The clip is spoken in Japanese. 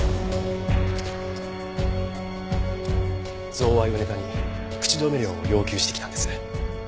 贈賄をネタに口止め料を要求してきたんです。